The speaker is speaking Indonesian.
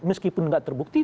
meskipun enggak terbukti